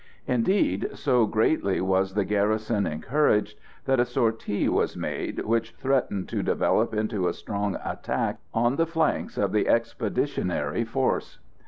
Indeed, so greatly was the garrison encouraged that a sortie was made which threatened to develop into a strong attack on the flanks of the expeditionary force.